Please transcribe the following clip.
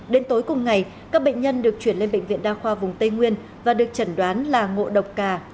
đến tối cùng ngày các bệnh nhân được chuyển lên bệnh viện đa khoa vùng tây nguyên và được chẩn đoán là ngộ độc cà